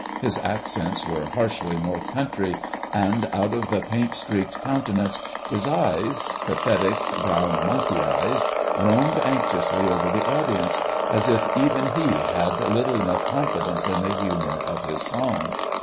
His accents were harshly North Country, and out of the paint streaked countenance, his eyes—pathetic, brown monkey eyes—roamed anxiously over the audience, as if even he had little enough confidence in the humour of his song.